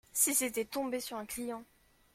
Si c’était tombé sur un client !…